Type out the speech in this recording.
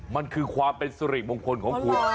มันคือความเป็นสุริมงคลของคุณ